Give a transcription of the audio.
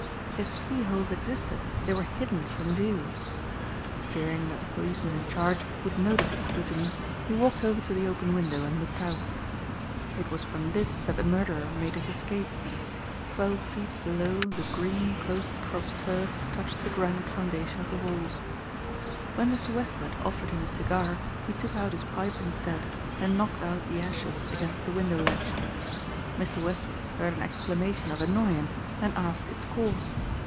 If keyholes existed they were hidden from view. Fearing that the policeman in charge would notice his scrutiny, he walked over to the open window and looked out. It was from this that the murderer made his escape. Twelve feet below the green closely cropped turf touched the granite foundation of the walls. When Mr. Westward offered him a cigar he took out his pipe instead and knocked out the ashes against the window ledge. Mr. Westward heard an exclamation of annoyance and asked its cause.